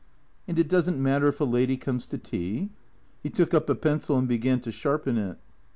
" And it does n't matter if a lady comes to tea ?" He took up a pencil and liegan to sharpen it.